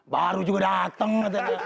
baru juga dateng